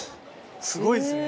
すごいですね。